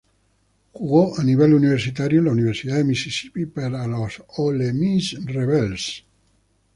Jugó a nivel universitario en la Universidad de Mississippi para los Ole Miss Rebels.